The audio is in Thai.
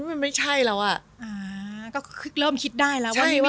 ก็เริ่มคิดได้แล้วว่านี่ไม่ใช่วิธีการแก้ปัญหาที่ถูก